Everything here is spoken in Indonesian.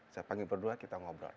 saya panggil berdua kita ngobrol